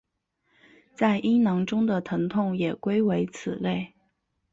在阴囊中的疼痛也归为此类。